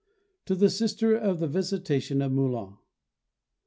_To the Sisters of the Visitation of Moulins.